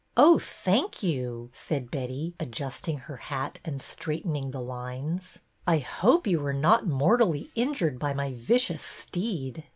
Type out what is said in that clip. ''Oh, thank you!" said Betty, adjusting her hat and straightening the lines. " I hope you were not mortally injured by my vicious steed."